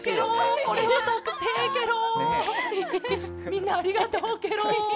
みんなありがとうケロ。